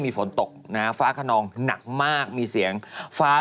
พระพุทธรูปสูงเก้าชั้นหมายความว่าสูงเก้าชั้น